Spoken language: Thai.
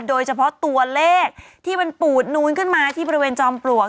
โดยเฉพาะตัวเลขที่มันปูดนูนขึ้นมาที่บริเวณจอมปลวก